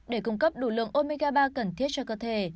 để cung cấp đủ lượng omega ba cần thiết cho cơ thể